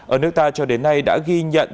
ở nước ta cho đến nay đã ghi nhận